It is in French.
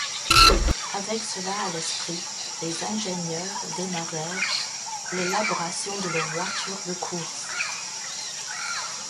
Avec cela à l'esprit, les ingénieurs démarrèrent l'élaboration de leur voiture de course.